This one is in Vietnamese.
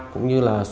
cũng như là